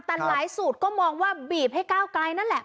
แต่หลายสูตรก็มองว่าบีบให้ก้าวไกลนั่นแหละ